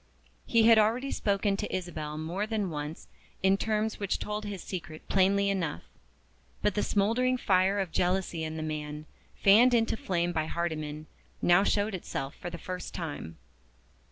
He had already spoken to Isabel more than once in terms which told his secret plainly enough. But the smouldering fire of jealousy in the man, fanned into flame by Hardyman, now showed itself for the first time.